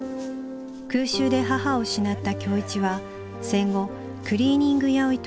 空襲で母を失った今日一は戦後クリーニング屋を営む